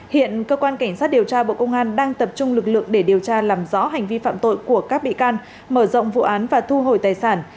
hiện cơ quan cảnh sát điều tra bộ công an đang tập trung lực lượng để điều tra làm rõ hành vi phạm tội của các bị can mở rộng vụ án và thu hồi tài sản